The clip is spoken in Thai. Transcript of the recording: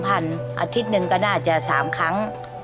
อาทิตย์หนึ่งก็น่าจะ๓ครั้ง